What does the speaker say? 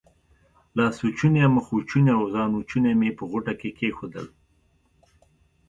لاسوچونې، مخوچونې او ځانوچونی مې په غوټه کې کېښودل.